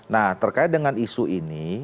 nah terkait dengan isu ini